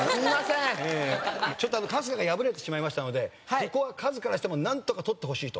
春日が敗れてしまいましたのでここはカズからしてもなんとか取ってほしいと？